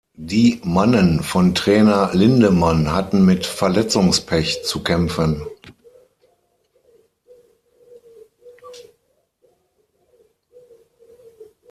Die Mannen von Trainer Lindemann hatten mit Verletzungspech zu kämpfen.